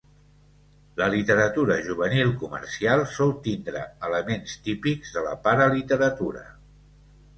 La literatura juvenil comercial sol tindre elements típics de la paraliteratura.